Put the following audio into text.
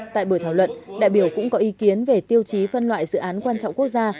tại buổi thảo luận đại biểu cũng có ý kiến về tiêu chí phân loại dự án quan trọng quốc gia